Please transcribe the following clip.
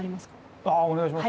ああお願いします。